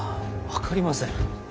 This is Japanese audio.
分かりません。